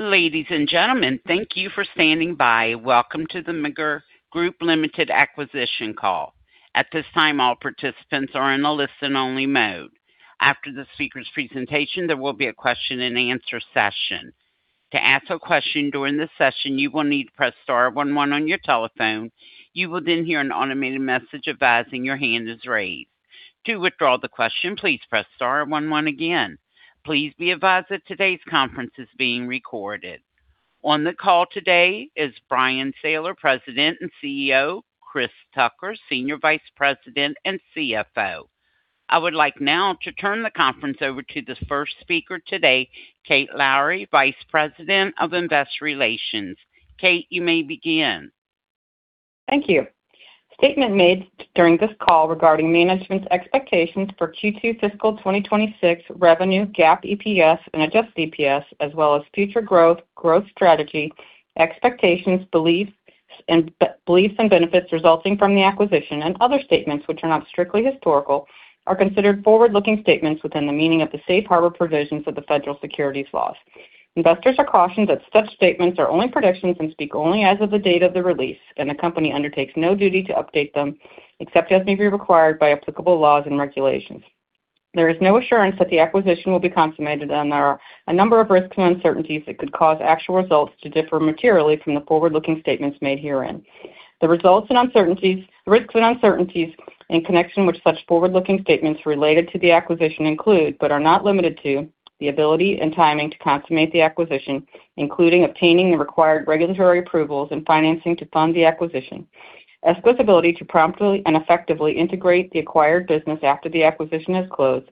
Ladies and gentlemen, thank you for standing by. Welcome to the Megger Group Limited Acquisition Call. At this time, all participants are in a listen-only mode. After the speakers' presentation, there will be a question and answer session. To ask a question during the session, you will need to press star one one on your telephone. You will then hear an automated message advising your hand is raised. To withdraw the question, please press star one one again. Please be advised that today's conference is being recorded. On the call today is Bryan Sayler, President and CEO, Chris Tucker, Senior Vice President and CFO. I would like now to turn the conference over to the first speaker today, Kate Lowrey, Vice President of Investor Relations. Kate, you may begin. Thank you. Statements made during this call regarding management's expectations for Q2 fiscal 2026 revenue, GAAP EPS, and adjusted EPS, as well as future growth strategy, expectations, beliefs and benefits resulting from the acquisition and other statements which are not strictly historical, are considered forward-looking statements within the meaning of the safe harbor provisions of the federal securities laws. Investors are cautioned that such statements are only predictions and speak only as of the date of the release, and the company undertakes no duty to update them except as may be required by applicable laws and regulations. There is no assurance that the acquisition will be consummated, and there are a number of risks and uncertainties that could cause actual results to differ materially from the forward-looking statements made herein. The results and uncertainties in connection with such forward-looking statements related to the acquisition include, but are not limited to, the ability and timing to consummate the acquisition, including obtaining the required regulatory approvals and financing to fund the acquisition. ESCO's ability to promptly and effectively integrate the acquired business after the acquisition is closed,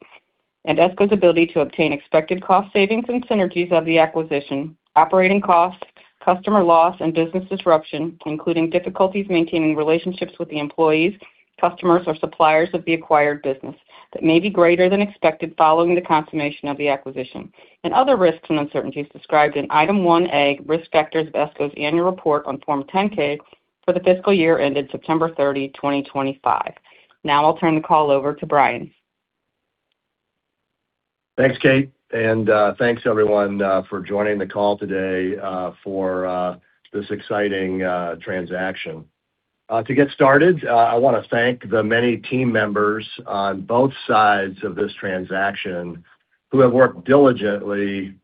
and ESCO's ability to obtain expected cost savings and synergies of the acquisition, operating costs, customer loss, and business disruption, including difficulties maintaining relationships with the employees, customers, or suppliers of the acquired business that may be greater than expected following the consummation of the acquisition. Other risks and uncertainties described in Item 1A. Risk Factors ESCO's annual report on Form 10-K for the fiscal year ended September 30, 2025. Now, I'll turn the call over to Bryan. Thanks Kate, and thanks everyone for joining the call today for this exciting transaction. To get started, I want to thank the many team members on both sides of this transaction who have worked diligently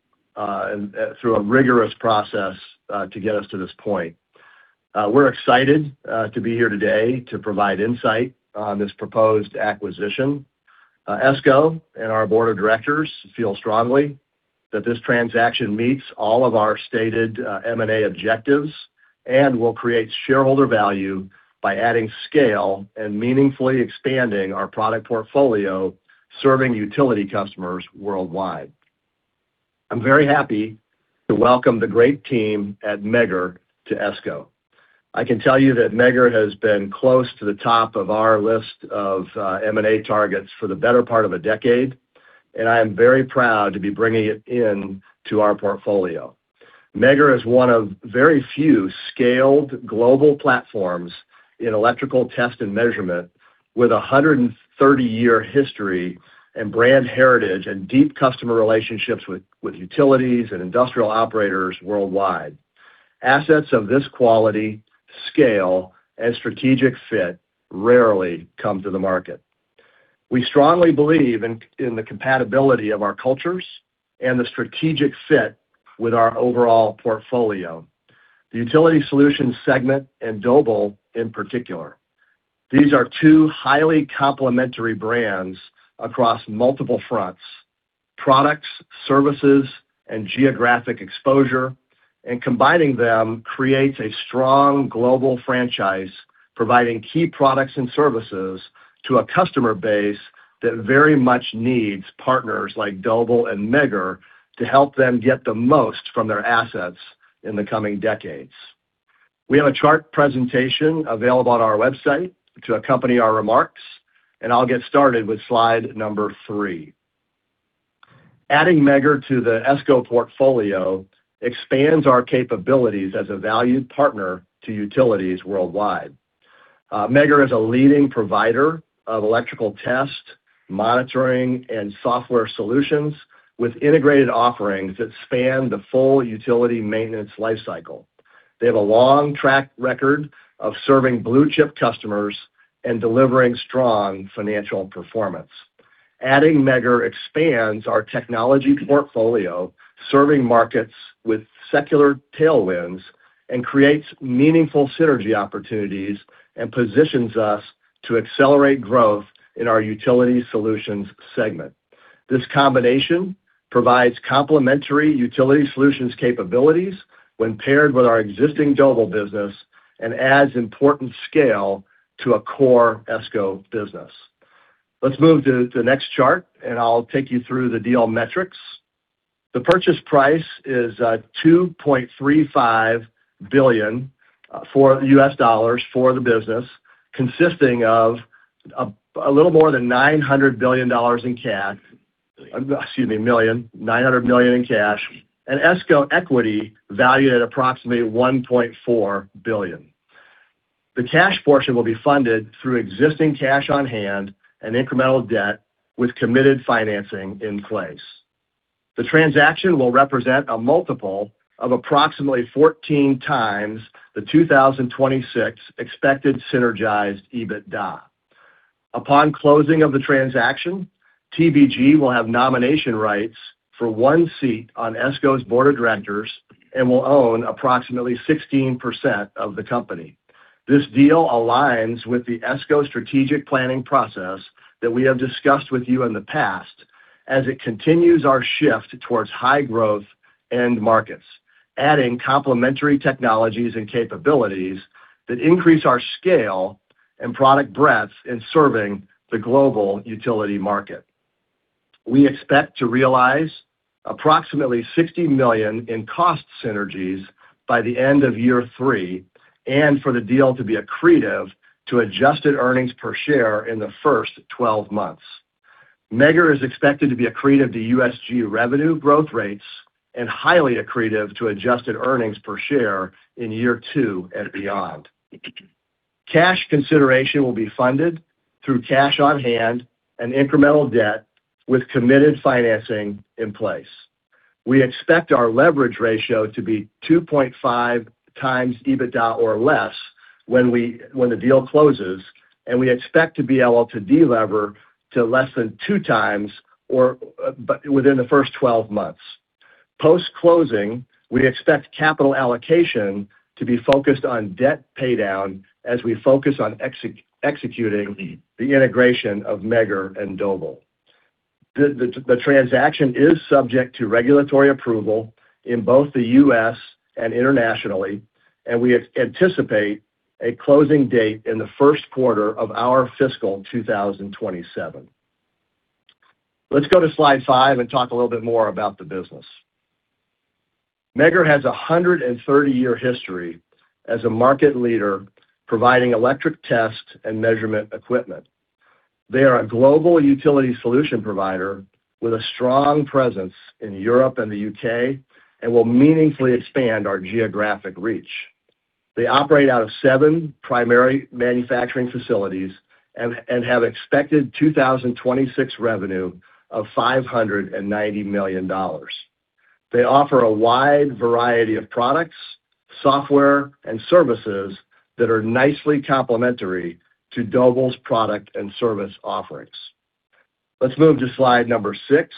through a rigorous process to get us to this point. We're excited to be here today to provide insight on this proposed acquisition. ESCO and our board of directors feel strongly that this transaction meets all of our stated M&A objectives and will create shareholder value by adding scale and meaningfully expanding our product portfolio, serving utility customers worldwide. I'm very happy to welcome the great team at Megger to ESCO. I can tell you that Megger has been close to the top of our list of M&A targets for the better part of a decade, and I am very proud to be bringing it into our portfolio. Megger is one of very few scaled global platforms in electrical test and measurement, with 130-year history and brand heritage and deep customer relationships with utilities and industrial operators worldwide. Assets of this quality, scale, and strategic fit rarely come to the market. We strongly believe in the compatibility of our cultures and the strategic fit with our overall portfolio. The Utility Solutions segment and Doble in particular, these are two highly complementary brands across multiple fronts, products, services, and geographic exposure, and combining them creates a strong global franchise providing key products and services to a customer base that very much needs partners like Doble and Megger to help them get the most from their assets in the coming decades. We have a chart presentation available on our website to accompany our remarks, and I'll get started with slide number three. Adding Megger to the ESCO portfolio expands our capabilities as a valued partner to utilities worldwide. Megger is a leading provider of electrical test, monitoring, and software solutions with integrated offerings that span the full utility maintenance life cycle. They have a long track record of serving blue-chip customers and delivering strong financial performance. Adding Megger expands our technology portfolio, serving markets with secular tailwinds, and creates meaningful synergy opportunities and positions us to accelerate growth in our Utility Solutions segment. This combination provides complementary utility solutions capabilities when paired with our existing Doble business and adds important scale to a core ESCO business. Let's move to the next chart and I'll take you through the deal metrics. The purchase price is $2.35 billion for the business, consisting of a little more than $900 million in cash. $900 million in cash and ESCO equity valued at approximately $1.4 billion. The cash portion will be funded through existing cash on hand and incremental debt with committed financing in place. The transaction will represent a multiple of approximately 14x the 2026 expected synergized EBITDA. Upon closing of the transaction, TBG will have nomination rights for one seat on ESCO's board of directors and will own approximately 16% of the company. This deal aligns with the ESCO strategic planning process that we have discussed with you in the past as it continues our shift towards high growth end markets, adding complementary technologies and capabilities that increase our scale and product breadth in serving the global utility market. We expect to realize approximately $60 million in cost synergies by the end of year three, and for the deal to be accretive to adjusted earnings per share in the first 12 months. Megger is expected to be accretive to USG revenue growth rates and highly accretive to adjusted earnings per share in year two and beyond. Cash consideration will be funded through cash on hand and incremental debt with committed financing in place. We expect our leverage ratio to be 2.5x EBITDA or less when the deal closes, and we expect to be able to delever to less than 2x within the first 12 months. Post-closing, we expect capital allocation to be focused on debt paydown as we focus on executing the integration of Megger and Doble. The transaction is subject to regulatory approval in both the U.S. and internationally, and we anticipate a closing date in the first quarter of our fiscal 2027. Let's go to slide five and talk a little bit more about the business. Megger has a 130-year history as a market leader, providing electric test and measurement equipment. They are a global utility solution provider with a strong presence in Europe and the U.K. and will meaningfully expand our geographic reach. They operate out of seven primary manufacturing facilities and have expected 2026 revenue of $590 million. They offer a wide variety of products, software, and services that are nicely complementary to Doble's product and service offerings. Let's move to slide number six.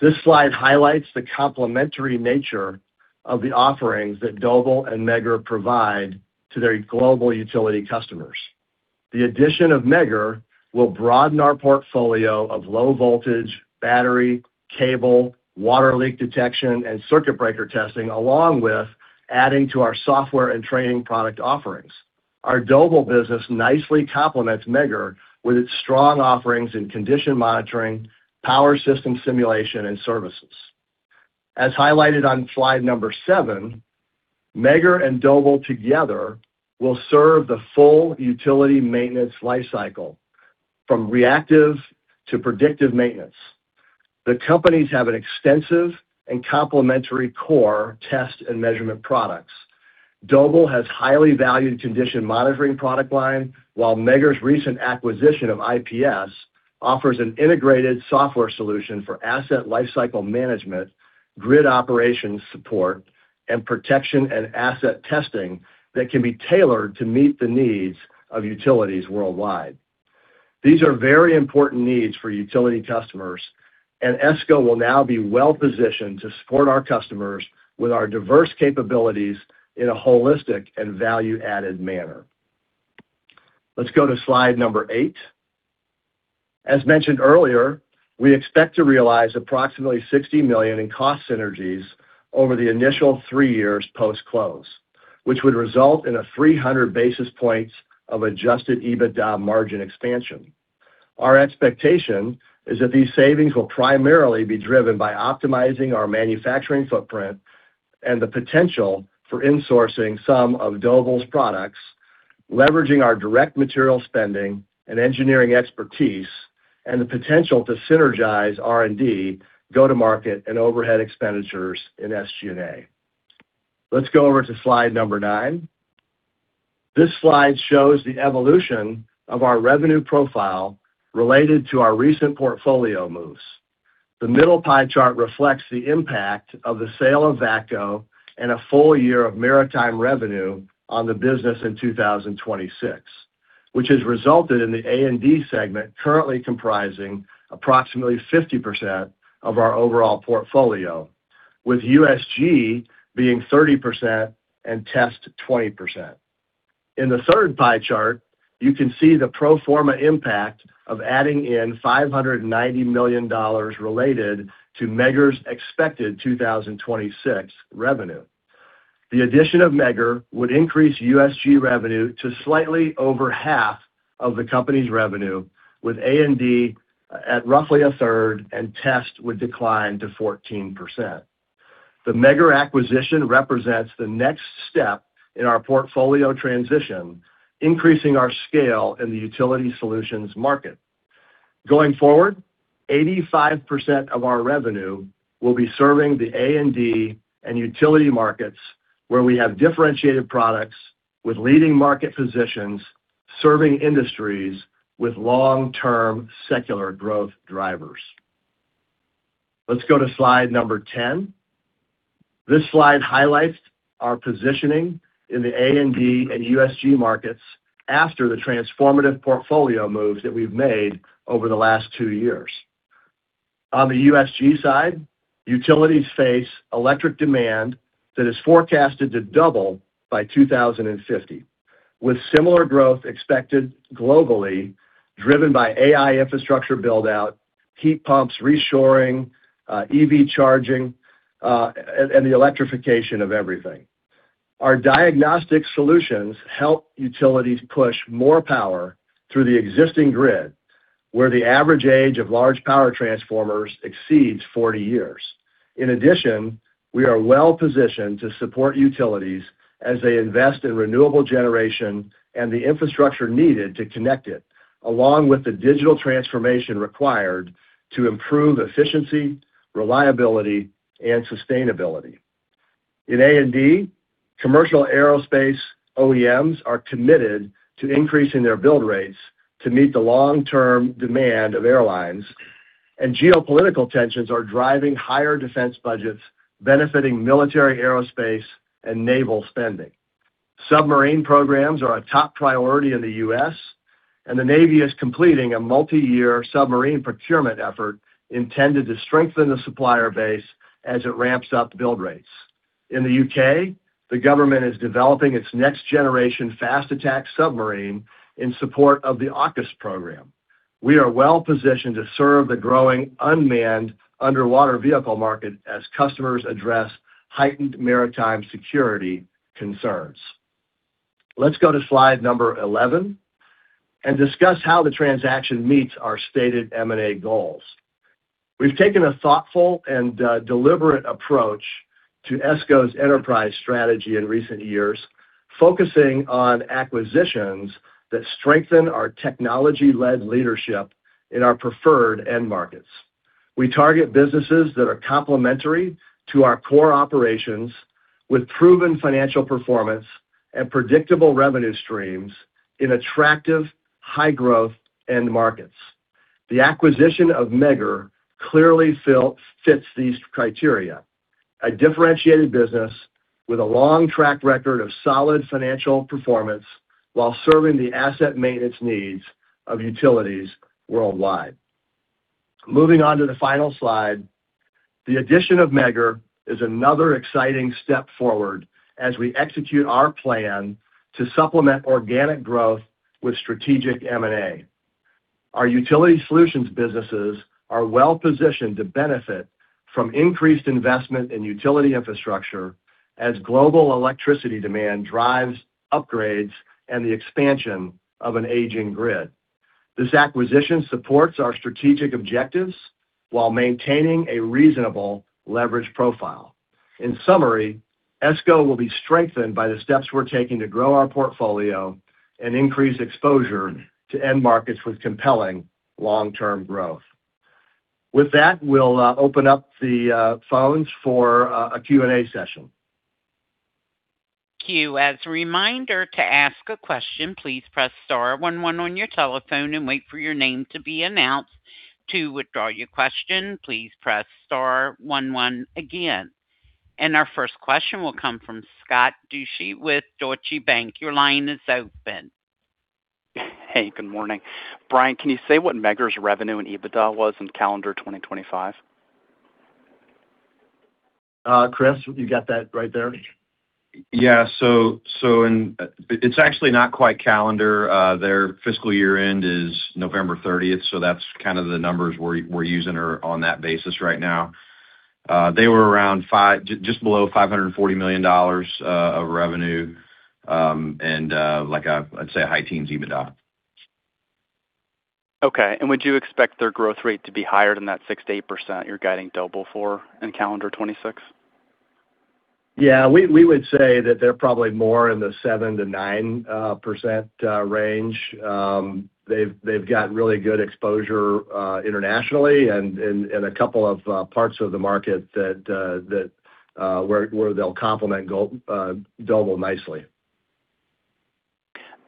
This slide highlights the complementary nature of the offerings that Doble and Megger provide to their global utility customers. The addition of Megger will broaden our portfolio of low voltage, battery, cable, water leak detection, and circuit breaker testing, along with adding to our software and training product offerings. Our Doble business nicely complements Megger with its strong offerings in condition monitoring, power system simulation, and services. As highlighted on slide number seven, Megger and Doble together will serve the full utility maintenance life cycle, from reactive to predictive maintenance. The companies have an extensive and complementary core test and measurement products. Doble has highly valued condition monitoring product line, while Megger's recent acquisition of IPS offers an integrated software solution for asset lifecycle management, grid operations support, and protection and asset testing that can be tailored to meet the needs of utilities worldwide. These are very important needs for utility customers, and ESCO will now be well positioned to support our customers with our diverse capabilities in a holistic and value-added manner. Let's go to slide number eight. As mentioned earlier, we expect to realize approximately $60 million in cost synergies over the initial three years post-close, which would result in 300 basis points of adjusted EBITDA margin expansion. Our expectation is that these savings will primarily be driven by optimizing our manufacturing footprint and the potential for insourcing some of Doble's products, leveraging our direct material spending and engineering expertise, and the potential to synergize R&D, go-to-market, and overhead expenditures in SG&A. Let's go over to slide 9. This slide shows the evolution of our revenue profile related to our recent portfolio moves. The middle pie chart reflects the impact of the sale of VACCO and a full year of maritime revenue on the business in 2026, which has resulted in the A&D segment currently comprising approximately 50% of our overall portfolio, with USG being 30% and Test 20%. In the third pie chart, you can see the pro forma impact of adding in $590 million related to Megger's expected 2026 revenue. The addition of Megger would increase USG revenue to slightly over half of the company's revenue, with A&D at roughly a third, and Test would decline to 14%. The Megger acquisition represents the next step in our portfolio transition, increasing our scale in the Utility Solutions market. Going forward, 85% of our revenue will be serving the A&D and Utility markets, where we have differentiated products with leading market positions, serving industries with long-term secular growth drivers. Let's go to slide number 10. This slide highlights our positioning in the A&D and USG markets after the transformative portfolio moves that we've made over the last two years. On the USG side, utilities face electric demand that is forecasted to double by 2050, with similar growth expected globally, driven by AI infrastructure build-out, heat pumps reshoring, EV charging, and the electrification of everything. Our diagnostic solutions help utilities push more power through the existing grid, where the average age of large power transformers exceeds 40 years. In addition, we are well-positioned to support utilities as they invest in renewable generation and the infrastructure needed to connect it, along with the digital transformation required to improve efficiency, reliability, and sustainability. In A&D, commercial aerospace OEMs are committed to increasing their build rates to meet the long-term demand of airlines, and geopolitical tensions are driving higher defense budgets, benefiting military, aerospace, and naval spending. Submarine programs are a top priority in the U.S., and the Navy is completing a multi-year submarine procurement effort intended to strengthen the supplier base as it ramps up build rates. In the U.K., the government is developing its next-generation Fast Attack submarine in support of the AUKUS program. We are well-positioned to serve the growing unmanned underwater vehicle market as customers address heightened maritime security concerns. Let's go to slide number 11 and discuss how the transaction meets our stated M&A goals. We've taken a thoughtful and deliberate approach to ESCO's enterprise strategy in recent years, focusing on acquisitions that strengthen our technology-led leadership in our preferred end markets. We target businesses that are complementary to our core operations, with proven financial performance and predictable revenue streams in attractive, high-growth end markets. The acquisition of Megger clearly fits these criteria, a differentiated business with a long track record of solid financial performance while serving the asset maintenance needs of utilities worldwide. Moving on to the final slide. The addition of Megger is another exciting step forward as we execute our plan to supplement organic growth with strategic M&A. Our Utility Solutions businesses are well-positioned to benefit from increased investment in utility infrastructure as global electricity demand drives upgrades and the expansion of an aging grid. This acquisition supports our strategic objectives while maintaining a reasonable leverage profile. In summary, ESCO will be strengthened by the steps we're taking to grow our portfolio and increase exposure to end markets with compelling long-term growth. With that, we'll open up the phones for a Q&A session. As a reminder, to ask a question, please press star one one on your telephone and wait for your name to be announced. To withdraw your question, please press star one one again. Our first question will come from Scott Deuschle with Deutsche Bank. Your line is open. Hey, good morning. Bryan, can you say what Megger's revenue and EBITDA was in calendar 2025? Chris, you got that right there? Yeah. It's actually not quite calendar. Their fiscal year end is November 30th, so that's kind of the numbers we're using are on that basis right now. They were just below $540 million of revenue, and I'd say a high teens EBITDA. Okay. Would you expect their growth rate to be higher than that 6%-8% you're guiding Doble for in calendar 2026? Yeah, we would say that they're probably more in the 7%-9% range. They've got really good exposure internationally and a couple of parts of the market where they'll complement Doble nicely.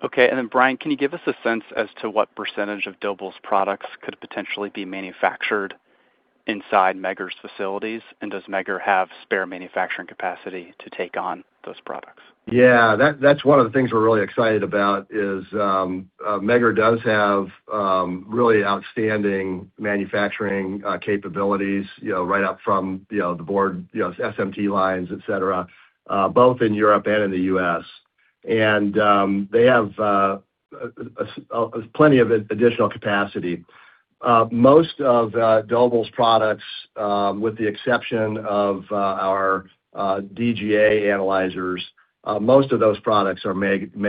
Okay. Bryan, can you give us a sense as to what percentage of Doble's products could potentially be manufactured inside Megger's facilities? Does Megger have spare manufacturing capacity to take on those products? Yeah. That's one of the things we're really excited about is Megger does have really outstanding manufacturing capabilities, right up from the board, SMT lines, etc., both in Europe and in the U.S. And they have plenty of additional capacity. Most of Doble's products, with the exception of our DGA analyzers, most of those products are made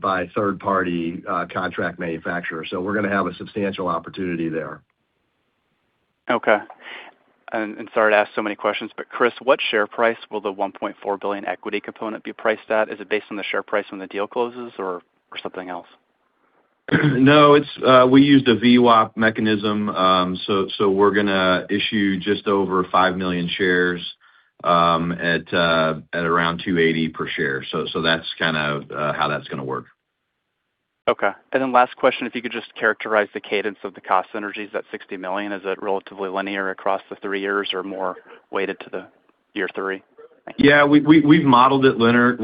by third-party contract manufacturers. We're going to have a substantial opportunity there. Okay. Sorry to ask so many questions, but Chris, what share price will the $1.4 billion equity component be priced at? Is it based on the share price when the deal closes or something else? No. We used a VWAP mechanism, so we're going to issue just over 5 million shares at around 280 per share. That's kind of how that's going to work. Okay. Last question, if you could just characterize the cadence of the cost synergies, that $60 million. Is it relatively linear across the three years or more weighted to the year three? Thank you. Yeah. We've modeled it linear at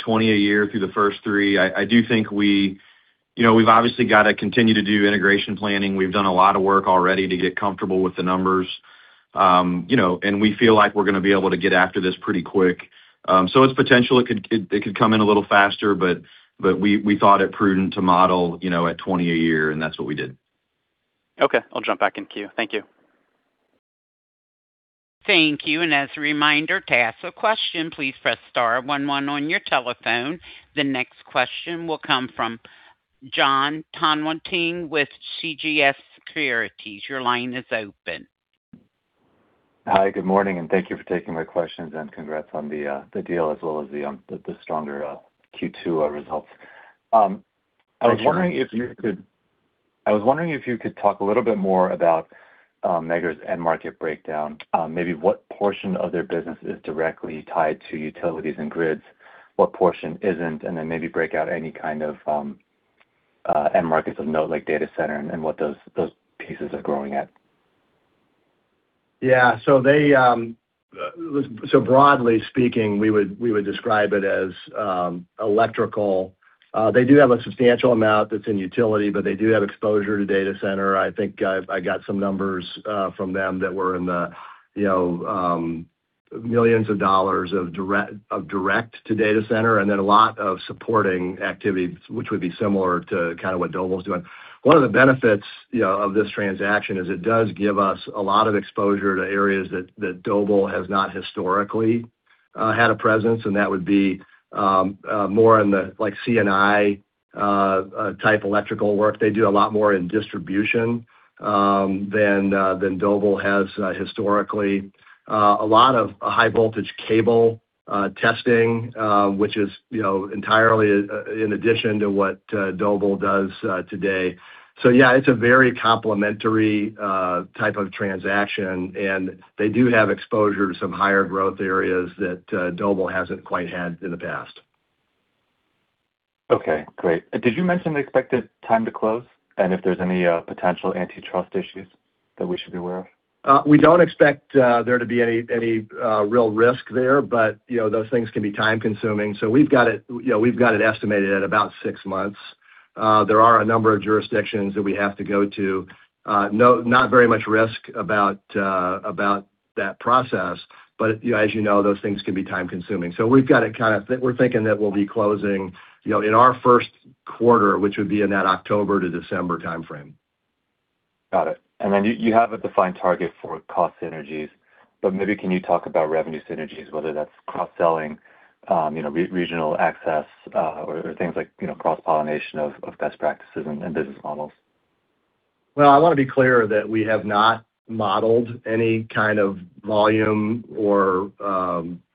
$20 a year through the first three. We've obviously got to continue to do integration planning. We've done a lot of work already to get comfortable with the numbers. We feel like we're going to be able to get after this pretty quick. It's possible it could come in a little faster, but we thought it prudent to model at $20 a year, and that's what we did. Okay. I'll jump back in queue. Thank you. Thank you. As a reminder, to ask a question, please press star one one on your telephone. The next question will come from Jon Tanwanteng with CJS Securities. Your line is open. Hi, good morning, and thank you for taking my questions, and congrats on the deal as well as the stronger Q2 results. Sure. I was wondering if you could talk a little bit more about Megger's end market breakdown. Maybe what portion of their business is directly tied to utilities and grids, what portion isn't, and then maybe break out any kind of end markets of note, like data center, and what those pieces are growing at? Yeah. Broadly speaking, we would describe it as electrical. They do have a substantial amount that's in utility, but they do have exposure to data center. I think I got some numbers from them that were in the millions of dollars of direct-to-data center, and then a lot of supporting activity, which would be similar to kind of what Doble's doing. One of the benefits of this transaction is it does give us a lot of exposure to areas that Doble has not historically had a presence, and that would be more in the C&I-type electrical work. They do a lot more in distribution than Doble has historically. A lot of high-voltage cable testing which is entirely in addition to what Doble does today. Yeah, it's a very complementary type of transaction, and they do have exposure to some higher growth areas that Doble hasn't quite had in the past. Okay, great. Did you mention the expected time to close, and if there's any potential antitrust issues that we should be aware of? We don't expect there to be any real risk there, but those things can be time-consuming, so we've got it estimated at about six months. There are a number of jurisdictions that we have to go to. There's not very much risk about that process. As you know, those things can be time-consuming. We're thinking that we'll be closing in our first quarter, which would be in that October to December timeframe. Got it. Then you have a defined target for cost synergies, but maybe can you talk about revenue synergies, whether that's cross-selling regional access or things like cross-pollination of best practices and business models? Well, I want to be clear that we have not modeled any kind of volume or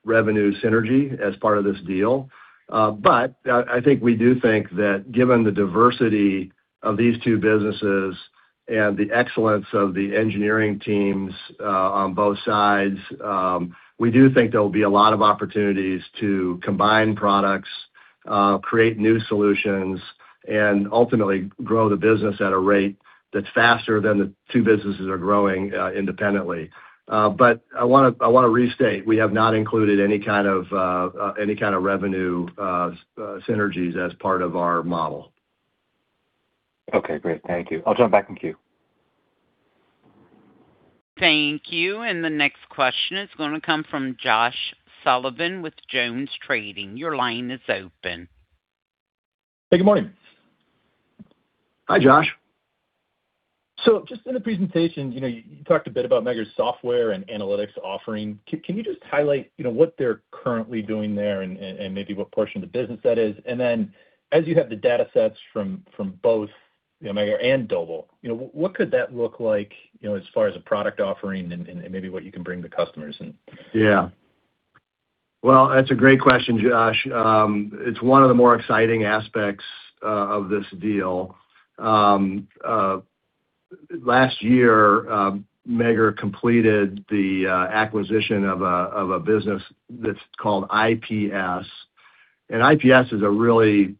revenue synergy as part of this deal. I think we do think that given the diversity of these two businesses and the excellence of the engineering teams on both sides, we do think there will be a lot of opportunities to combine products, create new solutions and ultimately grow the business at a rate that's faster than the two businesses are growing independently. I want to restate, we have not included any kind of revenue synergies as part of our model. Okay, great. Thank you. I'll jump back in queue. Thank you. The next question is going to come from Josh Sullivan with JonesTrading. Your line is open. Hey, good morning. Hi, Josh. Just in the presentation, you talked a bit about Megger's software and analytics offering. Can you just highlight what they're currently doing there and maybe what portion of the business that is? Then as you have the data sets from both Megger and Doble, what could that look like as far as a product offering and maybe what you can bring to customers? Yeah. Well, that's a great question, Josh. It's one of the more exciting aspects of this deal. Last year, Megger completed the acquisition of a business that's called IPS. IPS is a really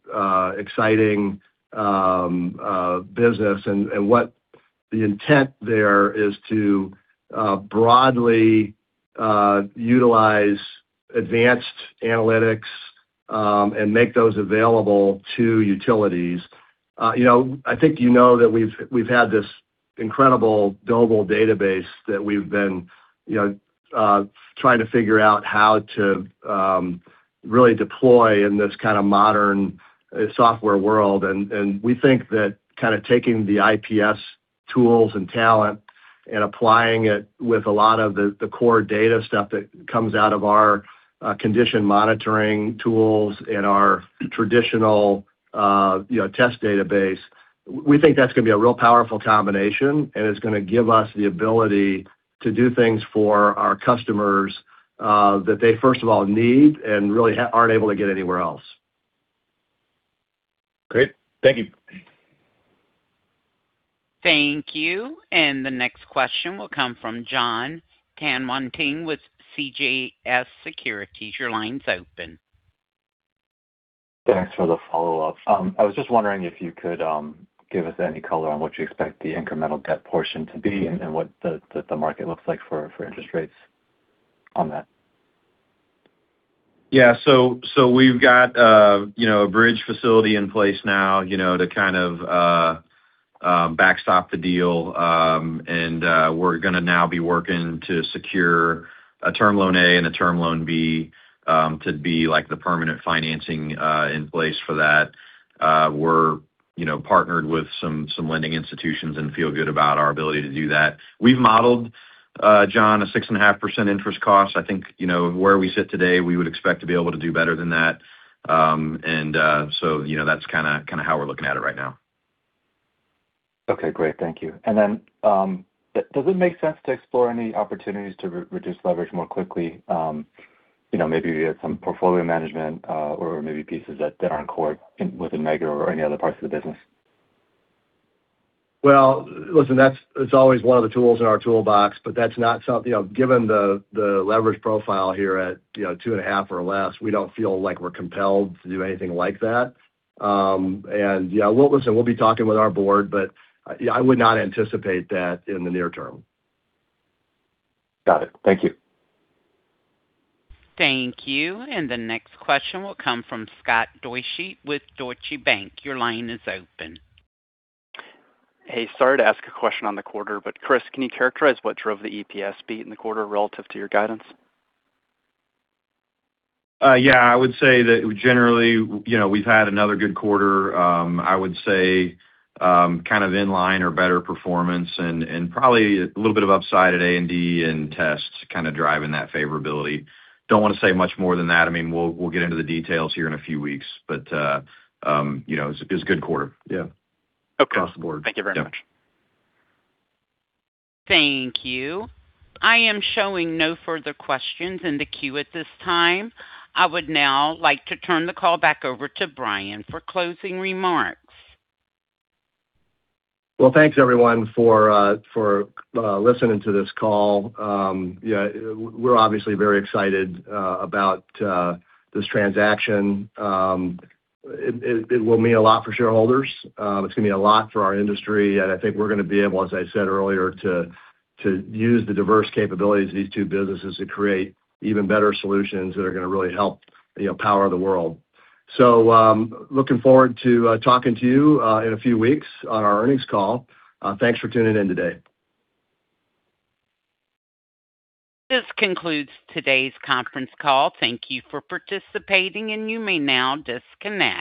exciting business. What the intent there is to broadly utilize advanced analytics and make those available to utilities. I think you know that we've had this incredible global database that we've been trying to figure out how to really deploy in this kind of modern software world. We think that kind of taking the IPS tools and talent and applying it with a lot of the core data stuff that comes out of our condition monitoring tools and our traditional test database. We think that's going to be a real powerful combination, and it's going to give us the ability to do things for our customers that they first of all need and really aren't able to get anywhere else. Great. Thank you. Thank you. The next question will come from Jon Tanwanteng with CJS Securities. Your line's open. Thanks for the follow-up. I was just wondering if you could give us any color on what you expect the incremental debt portion to be and what the market looks like for interest rates on that? Yeah. We've got a bridge facility in place now to kind of backstop the deal. We're going to now be working to secure a term loan A and a term loan B to be the permanent financing in place for that. We're partnered with some lending institutions and feel good about our ability to do that. We've modeled, Jon, a 6.5% interest cost. I think, where we sit today, we would expect to be able to do better than that. That's kind of how we're looking at it right now. Okay, great. Thank you. Does it make sense to explore any opportunities to reduce leverage more quickly? Maybe via some portfolio management or maybe pieces that are in core within Megger or any other parts of the business? Well, listen, that's always one of the tools in our toolbox. Given the leverage profile here at 2.5 or less, we don't feel like we're compelled to do anything like that. Yeah, listen, we'll be talking with our board, but I would not anticipate that in the near term. Got it. Thank you. Thank you. The next question will come from Scott Deuschle with Deutsche Bank. Your line is open. Hey sorry to ask a question on the quarter, but Chris can you characterize what drove the EPS beat in the quarter relative to your guidance? Yeah. I would say that generally, we've had another good quarter. I would say kind of in line or better performance and probably a little bit of upside at A&D and tests kind of driving that favorability. Don't want to say much more than that. We'll get into the details here in a few weeks, but it was a good quarter. Yeah. Okay. Across the board. Thank you very much. Yeah. Thank you. I am showing no further questions in the queue at this time. I would now like to turn the call back over to Bryan for closing remarks. Well, thanks everyone for listening to this call. We're obviously very excited about this transaction. It will mean a lot for shareholders. It's going to be a lot for our industry, and I think we're going to be able, as I said earlier, to use the diverse capabilities of these two businesses to create even better solutions that are going to really help power the world. Looking forward to talking to you in a few weeks on our earnings call. Thanks for tuning in today. This concludes today's conference call. Thank you for participating, and you may now disconnect.